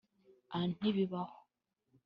“Â Ntibibaho